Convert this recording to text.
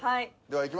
はい。